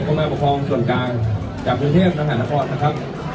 ประมาณประพรองด์ส่วนกลางจากแข่งเกียรตินางภาคละคร